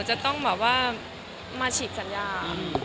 ไม่ต้องมาฉีดสัญญา